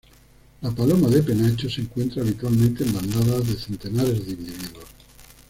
La paloma de penacho se encuentra habitualmente en bandadas de centenares de individuos.